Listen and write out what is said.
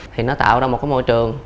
thì nó tạo ra một cái môi trường